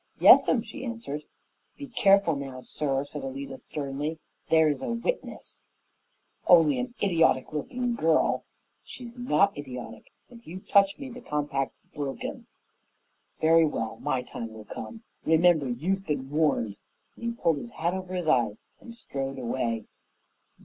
"Yes'm," she answered. "Be careful now, sir," said Alida sternly. "There's a witness." "Only a little idiotic looking girl." "She's not idiotic, and if you touch me the compact's broken." "Very well, my time will come. Remember, you've been warned," and he pulled his hat over his eyes and strode away.